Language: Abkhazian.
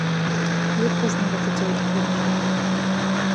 Ирҳәаз нарыгӡоит, бымшәан!